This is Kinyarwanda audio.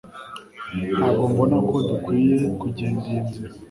ntabwo mbona ko dukwiye kugenda iyi nzira